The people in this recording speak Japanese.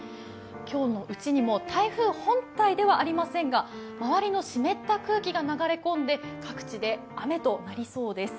今日のうちにも台風本体ではありませんが、周りの湿った空気が流れ込んで、各地で雨となりそうです。